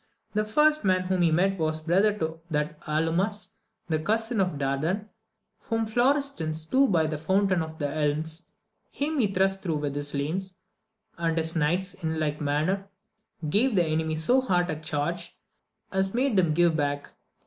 The first man whom he met was brother to that Alumas, the cousin of Dardan^ whom Florestan slew by the Fountain of the Elms ; him he thrust through with his lance ; and his knights in like man ner gave the enemy so hot a charge as made them give back.